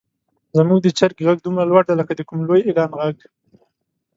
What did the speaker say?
زموږ د چرګې غږ دومره لوړ دی لکه د کوم لوی اعلان غږ.